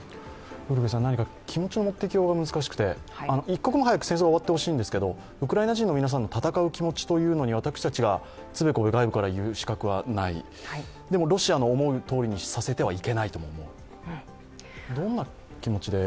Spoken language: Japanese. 気持ちの持っていきようが難しくて、一刻も早く戦いは終わってほしいんですが、ウクライナ人の皆さんの戦う気持ちに私たちがつべこべ外部から言う資格はない、でもロシアの思うとおりにさせてはいけないとも思う。